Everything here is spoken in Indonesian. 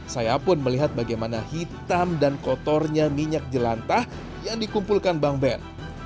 saya pun melihat bagaimana hitam dan kotornya minyak jelantah yang dikumpulkan bang ben